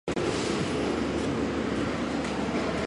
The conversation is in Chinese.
该巫金以流经其境内的白沙罗河命名。